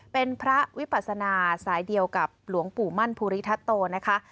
เป็นพระวิปัสนาสายเดียวกับหลวงปู่มั่นภูริทัศโตนะคะ